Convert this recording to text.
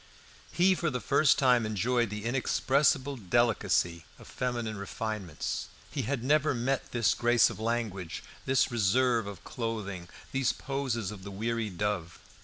He for the first time enjoyed the inexpressible delicacy of feminine refinements. He had never met this grace of language, this reserve of clothing, these poses of the weary dove.